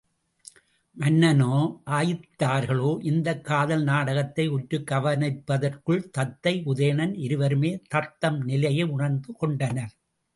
மன்னனோ, ஆயத்தார்களோ இந்தக் காதல் நாடகத்தை உற்றுக் கவனிப்பதற்குள் தத்தை, உதயணன் இருவருமே தத்தம்நிலையை உணர்ந்து கொண்டனர்.